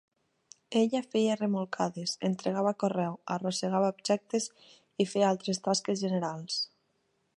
Ella feia remolcades, entregava correu, arrossegava objectes i feia altres tasques generals.